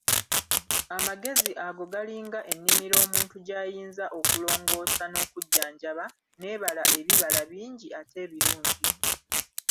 Amagezi ago galinga ennimiro omuntu gy'ayinza okulongoosa n'okujjanjaba, n'ebala ebibala bingi ate ebirungi.